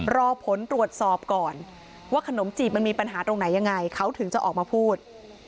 รอผลตรวจสอบก่อนว่าขนมจีบมันมีปัญหาตรงไหนยังไงเขาถึงจะออกมาพูด